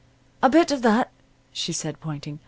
"A bit of that," she said, pointing.